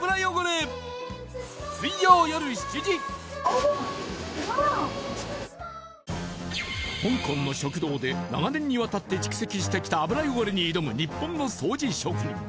ニトリ香港の食堂で長年にわたって蓄積してきた油汚れに挑む日本の掃除職人